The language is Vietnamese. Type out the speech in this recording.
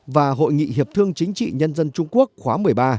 và hội nghị hiệp thương chính trị nhân dân trung quốc khóa một mươi ba